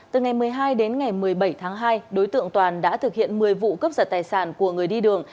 từ ngày một mươi hai đến ngày một mươi bảy tháng hai đối tượng toàn đã thực hiện một mươi vụ cấp giật tài sản của người đi đường